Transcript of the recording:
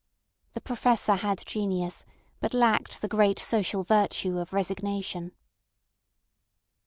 The Professor had genius, but lacked the great social virtue of resignation.